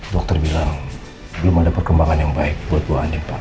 dokter bilang belum ada perkembangan yang baik buat bu andin pak